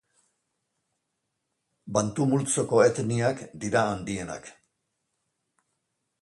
Bantu multzoko etniak dira handienak.